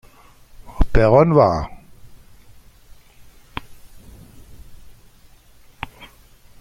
Peron war.